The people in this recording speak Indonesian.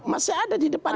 masih ada di depan